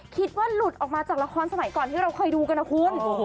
คิดว่าหลุดออกมาจากละครสมัยก่อนที่เราเคยดูกันนะคุณ